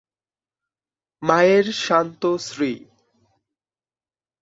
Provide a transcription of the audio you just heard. মায়ের শান্ত শ্রী।